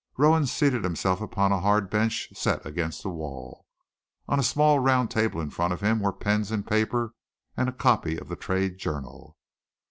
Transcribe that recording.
Rowan seated himself upon a hard bench set against the wall. On a small round table in front of him were pens and paper and a copy of the trade journal.